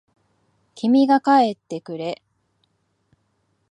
君が帰ってくれ。